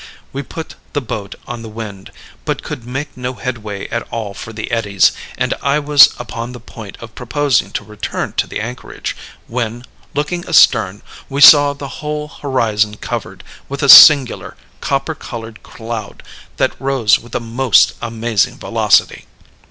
We put the boat on the wind, but could make no headway at all for the eddies; and I was upon the point of proposing to return to the anchorage, when, looking astern, we saw the whole horizon covered with a singular copper colored cloud that rose with the most amazing velocity.